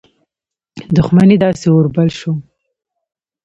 دښمنۍ داسي اور بل شو.